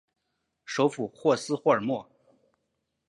首府霍斯霍尔姆。